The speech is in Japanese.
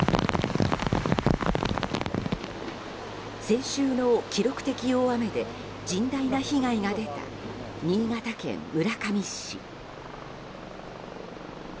先週の記録的大雨で甚大な被害が出た新潟県村上市。